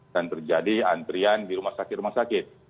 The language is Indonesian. dan terjadi antrian di rumah sakit rumah sakit